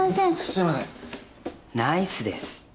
ナイスです。